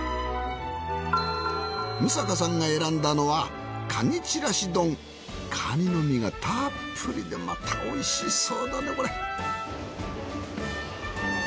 六平さんが選んだのはカニの身がたっぷりでまたおいしそうだねこれ。